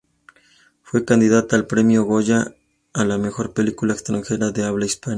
Fue candidata al Premio Goya a la mejor película extranjera de habla hispana.